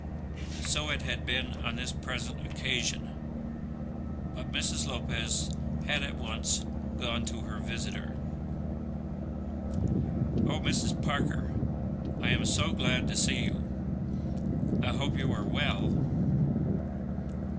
So it had been on the present occasion, but Mrs. Lopez had at once gone to her visitor. "Oh, Mrs. Parker, I am so glad to see you. I hope you are well."